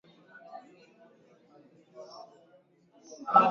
a furaha mchangamfu na kujisikia mwenye nguvu kitaalamu euphoria